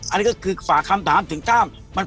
อันนี้ก็คือฝากคำถามถึงตั้ม